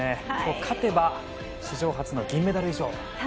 勝てば史上初の銀メダル以上。